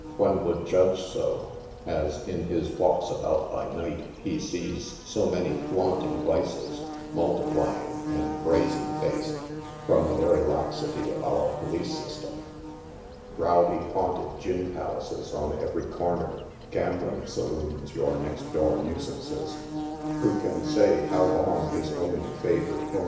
One would judge so, as in his walks about by night he sees so many flaunting vices, multiply ing and brazen faced, from the very laxity of our police system. Rowdy haunted gin palaces on every corner, gambling saloons your next door nuisances, who can say how Ions his own favored home 10 NIGHT SIDE OF NEW YORK.